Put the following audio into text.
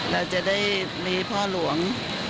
เราจะได้มีพ่อหลวง